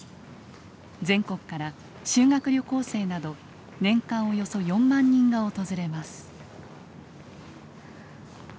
全国から修学旅行生など年間およそ４万人が訪れます。